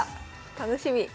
楽しみ。